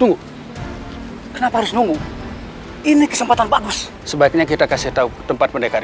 tunggu kenapa harus nunggu ini kesempatan bagus sebaiknya kita kasih tahu tempat pendekatan